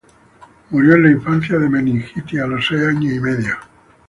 Murió en la infancia de meningitis, a los seis años y medio.